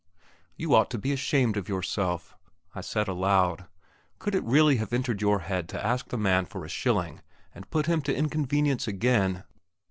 "You ought to be ashamed of yourself," I said aloud. "Could it really have entered your head to ask the man for a shilling and put him to inconvenience again?"